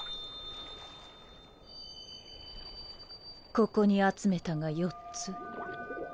ここに集めたが４つ。